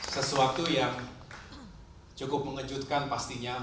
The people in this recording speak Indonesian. sesuatu yang cukup mengejutkan pastinya